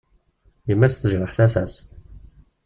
Yemma-s tejreḥ tasa-s.